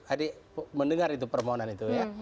adik mendengar itu permohonan itu ya